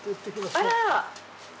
あら。